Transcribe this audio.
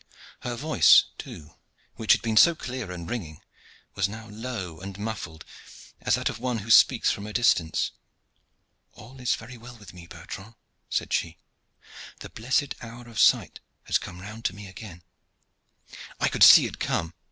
Her voice, too, which had been so clear and ringing, was now low and muffled as that of one who speaks from a distance. "All is very well with me, Bertrand," said she. "The blessed hour of sight has come round to me again." "I could see it come!